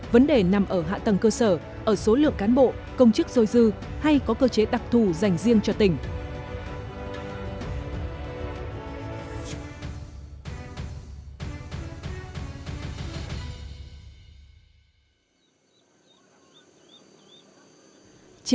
vấn đề nằm ở hạ tầng cơ sở ở số lượng cán bộ công chức dôi dư hay có cơ chế đặc thù dành riêng cho tỉnh